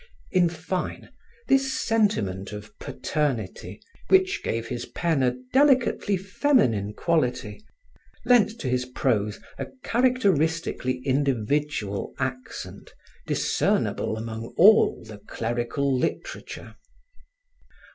In fine, this sentiment of paternity, which gave his pen a delicately feminine quality, lent to his prose a characteristically individual accent discernible among all the clerical literature.